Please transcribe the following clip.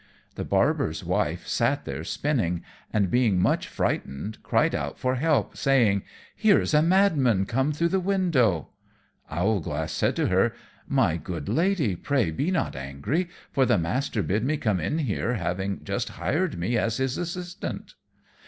The barber's wife sat there spinning, and, being much frightened, cried out for help, saying, "Here is a madman come through the window." Owlglass said to her, "My good Lady, pray be not angry, for the master bid me come in here, having just hired me as his assistant."